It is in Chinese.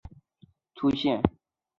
而的称呼也大约在此时出现。